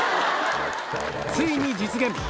ついに実現！